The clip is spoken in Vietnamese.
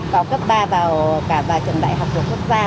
vào cấp ba vào cả vài trường đại học của quốc gia